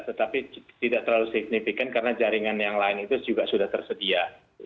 tetapi tidak terlalu signifikan karena jaringan yang lain itu juga sudah tersedia